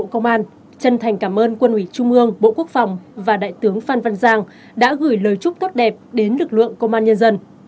công an chân thành cảm ơn quân ủy trung ương bộ quốc phòng và đại tướng phan văn giang đã gửi lời chúc tốt đẹp đến lực lượng công an nhân dân